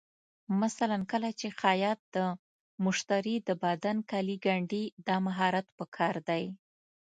مثلا کله چې خیاط د مشتري د بدن کالي ګنډي، دا مهارت پکار دی.